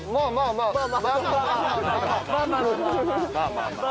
まあまあまあまあ。